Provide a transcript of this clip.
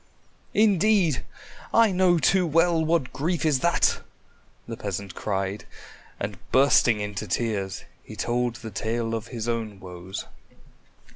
"Indeed! I know too well what grief is that!" the peasant cried, and bursting into tears, he told the tale of his own woes.